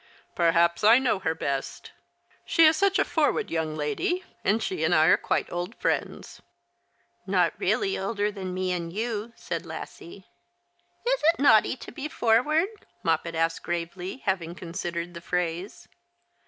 " Perhaps I know her best. She is such a forward young lady, and she and I are quite old friends." " Not really older than me and you," said Lassie. " Is it naughty to be forward ?" Moppet asked gravely, having considered the phrase.